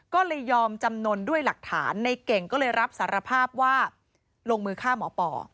ก็เลยรับสารภาพว่าลงมือฆ่าหมอปอ